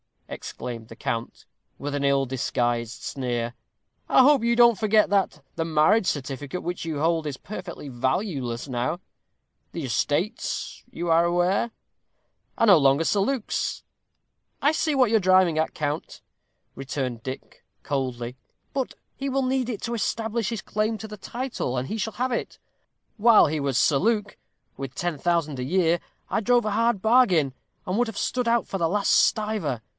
exclaimed the count, with an ill disguised sneer. "I hope you don't forget that the marriage certificate which you hold is perfectly valueless now. The estates, you are aware " "Are no longer Sir Luke's. I see what you are driving at, count," returned Dick, coldly. "But he will need it to establish his claim to the title, and he shall have it. While he was Sir Luke, with ten thousand a year, I drove a hard bargain, and would have stood out for the last stiver.